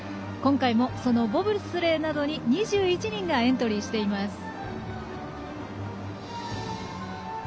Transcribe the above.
今回も、そのボブスレーなどに２１人がエントリーしています。